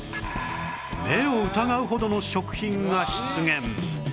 目を疑うほどの食品が出現